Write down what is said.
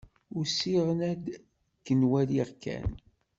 Usiɣ-n ad ken-waliɣ kan.